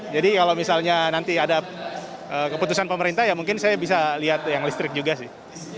jadi kalau misalnya nanti ada keputusan pemerintah ya mungkin saya bisa lihat yang listrik juga sih